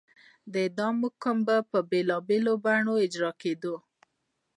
د اعدام حکم به په بېلابېلو بڼو اجرا کېده.